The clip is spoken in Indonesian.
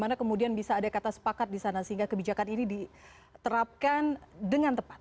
bagaimana kemudian bisa ada kata sepakat di sana sehingga kebijakan ini diterapkan dengan tepat